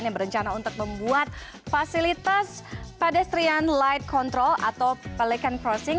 yang berencana untuk membuat fasilitas pedestrian light control atau pelican crossing